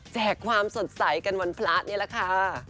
ความสดใสกันวันพระนี่แหละค่ะ